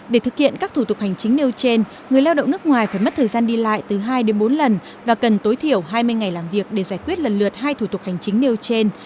để thực hiện các thủ tục hành chính nêu trên người lao động nước ngoài phải mất thời gian đi lại từ hai đến bốn lần và cần tối thiểu hai mươi ngày làm việc để giải quyết lần lượt hai thủ tục hành chính nêu trên